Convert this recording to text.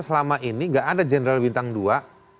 selama ini gak ada general bintang dua